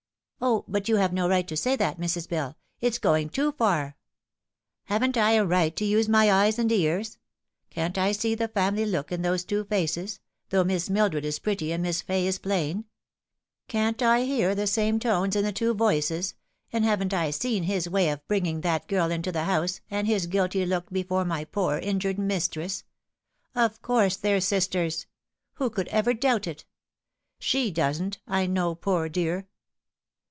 " O, but you've no right to say that, Mrs. Bell ; it's going too far." " Haven't I a right to use my eyes and ears ? Can't I see the family look in those two faces, though Miss Mildred is pretty and Miss Fay is plain ? Can't I hear the same tones in the two voices, and haven't I seen his way of bringing that girl c 34 The Fatal Three. into the house, and his guilty look before my poor injured mistress ? Of course they're sisters. Who could ever doubt it ? She doesn't, I know, poor dear."